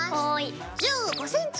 １５ｃｍ。